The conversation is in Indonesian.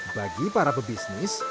bagi para pebisnis